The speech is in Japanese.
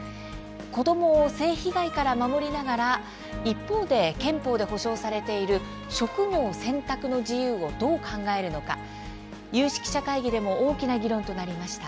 子どもを性被害から守りながら一方で、憲法で保障されている職業選択の自由をどう考えるのか有識者会議でも大きな議論となりました。